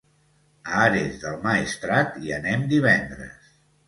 A Ares del Maestrat hi anem divendres.